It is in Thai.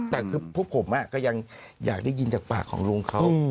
แต่คือพวกผมก็ยังอยากได้ยินจากปากของลุงเขา